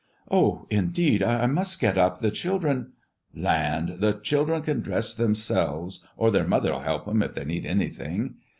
"Oh, indeed I must get up. The children" "Land, the children can dress themselves, or their mother'll help 'em if they need anything.